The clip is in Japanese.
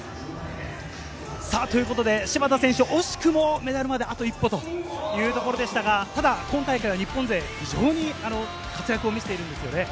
ということで芝田選手、惜しくもメダルまであと一歩というところでしたが、ただ今大会は日本勢、非常に活躍を見せているんですよね。